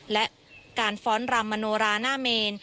และการฟ้อนรำมโนราหน้าเมน